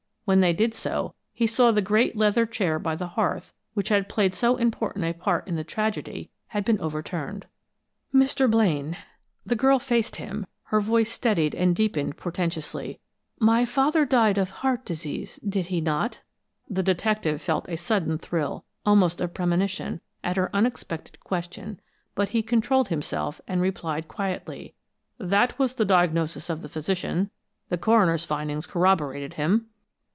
When they did so, he saw the great leather chair by the hearth, which had played so important a part in the tragedy, had been overturned. "Mr. Blaine," the girl faced him, her voice steadied and deepened portentously, "my father died of heart disease, did he not?" The detective felt a sudden thrill, almost of premonition, at her unexpected question, but he controlled himself, and replied quietly: "That was the diagnosis of the physician, and the coroner's findings corroborated him."